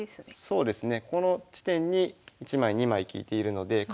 そうですね。